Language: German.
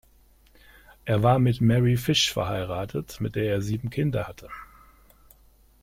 Er war mit Mary Fish verheiratet, mit der er sieben Kinder hatte.